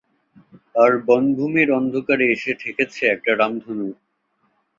আর বনভূমির অন্ধকারে এসে ঠেকেছে একটা রামধনু।